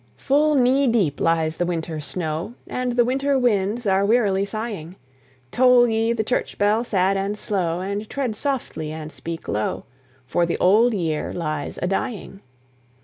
Full knee deep lies the winter snow, And the winter winds are wearily sighing: Toll ye the church bell sad and slow, And tread softly and speak low, For the old year lies a dying.